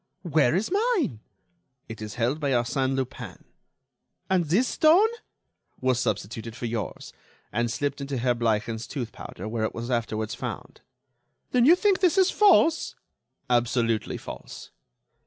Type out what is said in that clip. "Where is mine?" "It is held by Arsène Lupin." "And this stone?" "Was substituted for yours, and slipped into Herr Bleichen's tooth powder, where it was afterwards found." "Then you think this is false?" "Absolutely false."